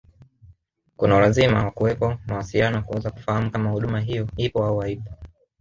kuna ulazima wa kuwepo mawasiliano kuweza kufahamu kama huduma hiyo ipo au haipo